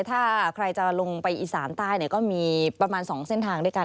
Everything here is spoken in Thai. ถ้าใครจะลงไปอีสานใต้ก็มีประมาณ๒เส้นทางด้วยกัน